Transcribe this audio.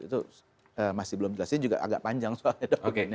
itu masih belum dijelasin juga agak panjang soalnya dokumennya